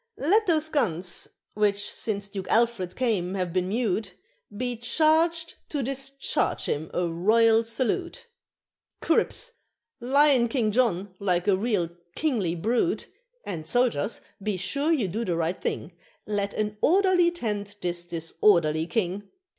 Let those guns which since Duke Alfred came have been mute Be charged to discharge him a royal salute, Cripps! lion King John, like a real kingly brute; And soldiers! be sure you do the right thing, Let an orderly tend this disorderly king!